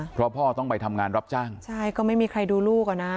เพราะพ่อต้องไปทำงานรับจ้างใช่ก็ไม่มีใครดูลูกอ่ะนะ